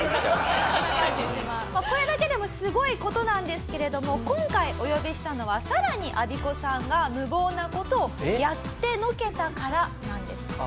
これだけでもすごい事なんですけれども今回お呼びしたのは更にアビコさんが無謀な事をやってのけたからなんです。